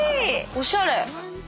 おしゃれ！